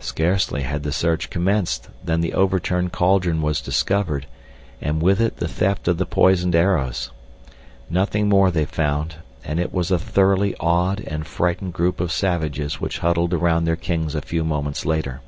Scarcely had the search commenced than the overturned cauldron was discovered, and with it the theft of the poisoned arrows. Nothing more they found, and it was a thoroughly awed and frightened group of savages which huddled around their king a few moments later.